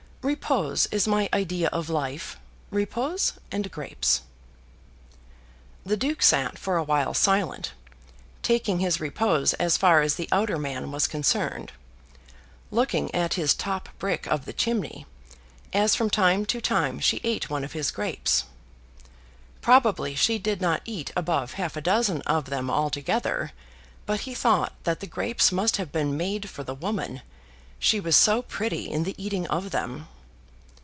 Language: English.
Repose is my idea of life; repose and grapes." The Duke sat for a while silent, taking his repose as far as the outer man was concerned, looking at his top brick of the chimney, as from time to time she ate one of his grapes. Probably she did not eat above half a dozen of them altogether, but he thought that the grapes must have been made for the woman, she was so pretty in the eating of them.